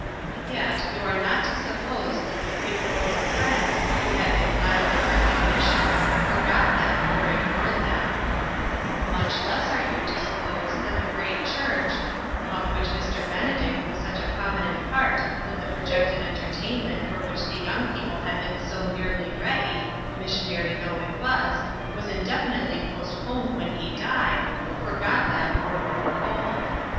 Yet you are not to suppose that the great world of friends who had been glad of their recognition forgot them or ignored them. 58 INTERRUPTED. Much less are you to suppose that the great church of which Mr. Benedict was such a prominent part that the projected entertain ment for which the young people had been so nearly ready, missionary though it was, was indefinitely postponed when he died forgot them or grew cold.